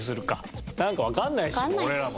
なんかわかんないし俺らも。